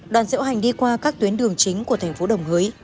đoàn diễu hành đi qua các tuyến đường chính của thành phố đồng hới